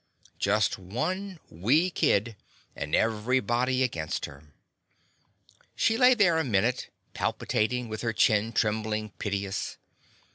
Just one wee kid and everybody against her. She lay there a minute palpitatin', with her chin tremblin' piteous.